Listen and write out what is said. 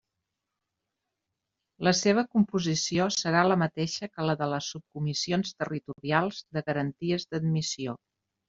La seva composició serà la mateixa que la de les subcomissions territorials de garanties d'admissió.